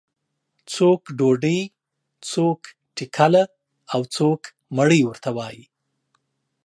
څوک ډوډۍ، څوک ټکله او څوک مړۍ ورته وایي.